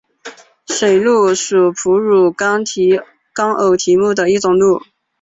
水鹿属哺乳纲偶蹄目的一种鹿。